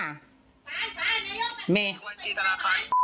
เลขบัญชีธนาคาร